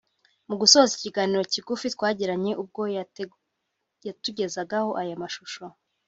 Mu gusoza ikiganiro kigufi twagiranye ubwo yatugezagaho aya mashusho